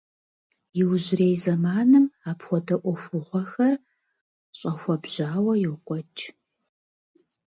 Иужьрей зэманым апхуэдэ ӏуэхугъуэхэр щӏэхуэбжьауэ йокӏуэкӏ.